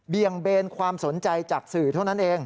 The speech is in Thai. เบนความสนใจจากสื่อเท่านั้นเอง